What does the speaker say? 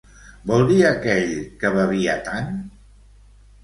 Vol dir aquell que bevia tant?